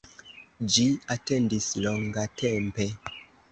Ĝi atendis longatempe.